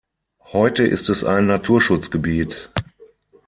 Heute ist es ein Naturschutzgebiet.